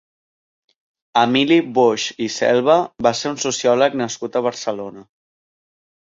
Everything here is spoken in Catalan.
Emili Boix i Selva va ser un sociòleg nascut a Barcelona.